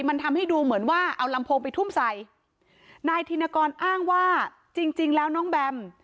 มันทำให้ดูเหมือนว่าเอาลำโพงไปทุ่มใส่นายธินกรอ้างว่าจริงจริงแล้วน้องแบม